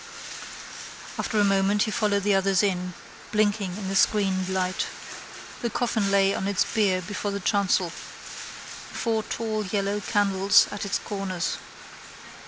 After a moment he followed the others in, blinking in the screened light. The coffin lay on its bier before the chancel, four tall yellow candles at its corners.